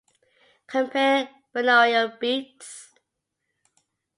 Compare binaural beats.